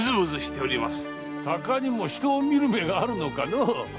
鷹にも人を見る目があるのかのう？